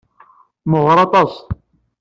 Meɣɣer aṭas.